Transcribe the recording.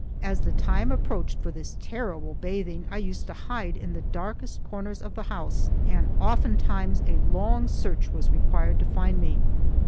As the time approached for this terrible bathing, I used to hide in the darkest corners of the house, and oftentimes a long search was required to find me.